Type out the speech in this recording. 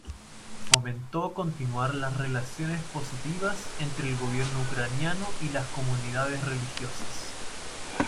Fomentó continuar las relaciones positivas entre el gobierno ucraniano y las comunidades religiosas.